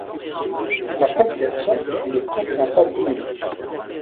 La compilation ne contient pas d'inédit.